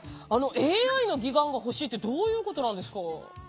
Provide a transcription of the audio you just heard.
ＡＩの義眼が欲しいってどういうことですか？